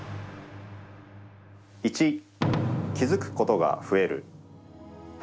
１、気づくことが増える。